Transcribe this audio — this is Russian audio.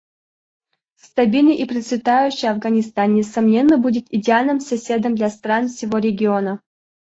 Стабильный и процветающий Афганистан, несомненно, будет идеальным соседом для стран всего региона.